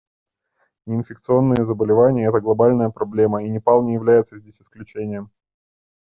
Неинфекционные заболевания — это глобальная проблема, и Непал не является здесь исключением.